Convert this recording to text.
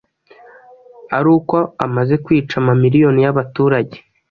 ari uko umaze kwica amamiliyoni yabaturage ,